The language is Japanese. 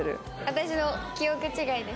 私の記憶違いです。